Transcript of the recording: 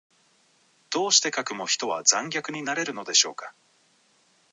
どうしてかくも人は残虐になれるのでしょうか。